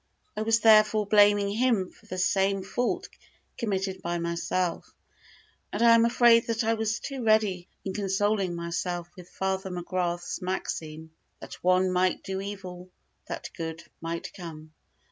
I was therefore blaming him for the same fault committed by myself; and I am afraid that I was too ready in consoling myself with Father McGrath's maxim, "That one might do evil, that good might come."